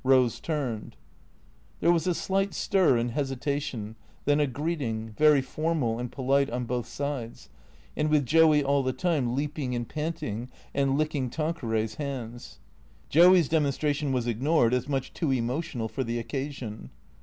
Eose turned. There was a slight stir and hesitation, then a greeting, very formal and polite on both sides, and with Joey all the time leaping and panting and licking Tanqueray's hands. Joey's demonstration was ignored as much too emotional for the oc casion.